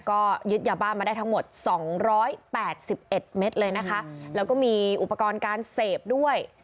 ก็ยึดยาบ้ามาได้ทั้งหมดสองร้อยแปดสิบเอ็ดเลยนะคะแล้วก็มีอุปกรณ์การเสพด้วย